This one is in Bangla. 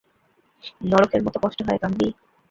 নরকের মতো কষ্ট হয়, কামলি।